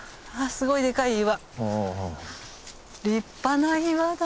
すごいデカい岩。